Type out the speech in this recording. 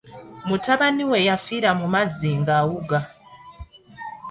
Mutabani we yafiira mu mazzi ng’awuga.